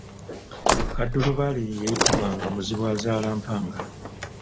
Kaddulubaale ye yayitibwanga Muzibwazaalampanga.